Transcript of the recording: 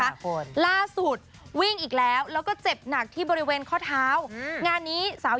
หนุ่มตุ๋นก็ดูแลดีนะครับแต่จะดีแสดงแค่ไหนไปถามเจ้าตัวกันเลยดีกว่าค่ะ